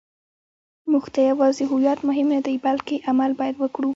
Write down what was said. موږ ته یوازې هویت مهم نه دی، بلکې عمل باید وکړو.